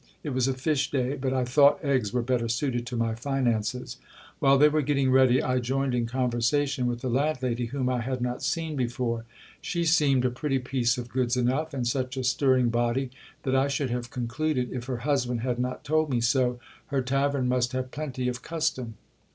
It was a fish day : but I thought eggs were better suited to my finances. While they were getting ready I joined in conversation with the landlady, whom I had not seen before. She seemed a pretty piece of goods enough, and such a stirring body, that I should have con cluded, if her husband had not told me so, her tavern must have plenty of cus tom.